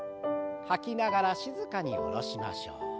吐きながら静かに下ろしましょう。